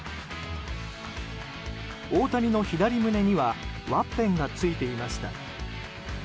大谷の左胸にはワッペンがついていました。